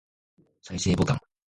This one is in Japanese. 再生ボタン